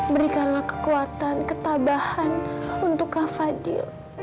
berikanlah kekuatan ketabahan untukkah fadil